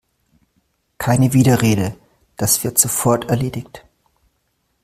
Keine Widerrede, das wird sofort erledigt!